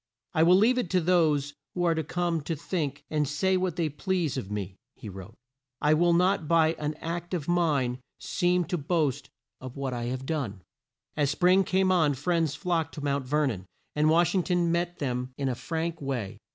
"I will leave it to those who are to come to think and say what they please of me," he wrote. "I will not by an act of mine seem to boast of what I have done." As spring came on, friends flocked to Mount Ver non, and Wash ing ton met them in a frank way.